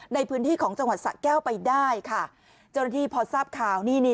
ในพื้นที่ของจังหวัดสะแก้วไปได้ค่ะเจ้าหน้าที่พอทราบข่าวนี่นี่